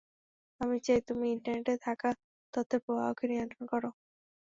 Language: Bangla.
আমরা চাই, তুমি ইন্টারনেটে থাকা তথ্যের প্রবাহকে নিয়ন্ত্রণ করো!